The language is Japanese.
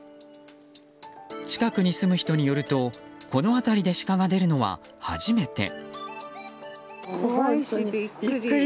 近くに住む人によるとこの辺りでシカが出るのは初めて。